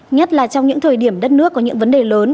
nhất là trong những thời điểm đất nước có những vấn đề lớn